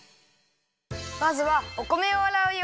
まずはお米をあらうよ。